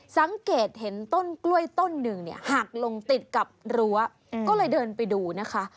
สังเกตเห็นต้นกล้วยต้นหนึ่งเนี่ยหักลงติดกับรั้วก็เลยเดินไปดูนะคะ